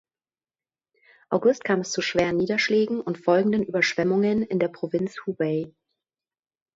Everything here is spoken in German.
August kam es zu schweren Niederschlägen und folgenden Überschwemmungen in der Provinz Hubei.